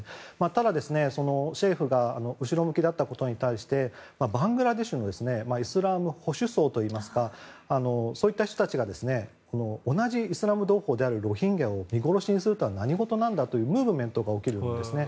ただ、政府が後ろ向きだったことに対してバングラデシュのイスラム保守層といいますかそういった人たちが同じイスラム同胞であるロヒンギャを見殺しにするとは何事なんだというムーブメントが起きるんですね。